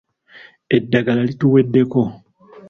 Eddagala lituweddeko.